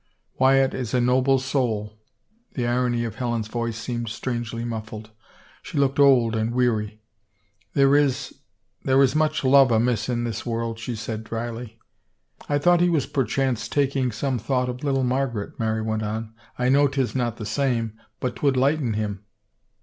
Wyatt is a noble soul." The irony of Helen's voice seemed strangely muffled. She looked old and weary. " There is — there is much love amiss in this world," she said dryly. " I thought he was perchance taking some thought of little Margaret," Mary went on. " I know 'tis not the same, but 'twould lighten him."